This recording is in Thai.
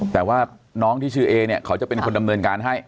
แต่ว่าน้องที่ชื่อเอเนี่ยเขาจะเป็นคนดำเนินการให้